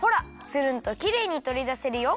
つるんときれいにとりだせるよ。